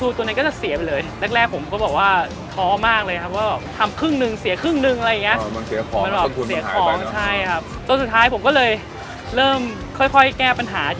อีกอันนึงที่พลาดไม่ได้เลยก็คือเจ้าหมูสับพวิเคราะห์